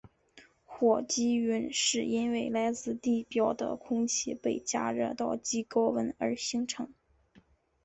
火积云是因为来自地表的空气被加热到极高温而形成。